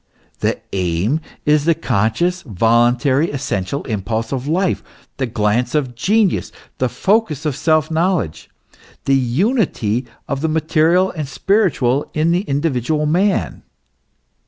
The aim is the conscious, voluntary, essential impulse of life, the glance of genius, the focus of self knowledge, the unity of the material and spiritual in the individual man.